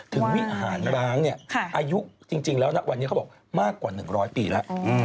วิหารร้างเนี่ยอายุจริงแล้วนะวันนี้เขาบอกมากกว่า๑๐๐ปีแล้ว